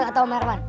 gak tau merwan